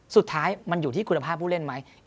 สุดท้ายมันอยู่ที่คุณภาพผู้เล่นไหม